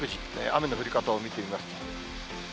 雨の降り方を見てみます。